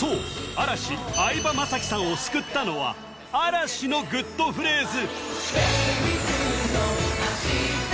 嵐相葉雅紀さんを救ったのは嵐のグッとフレーズ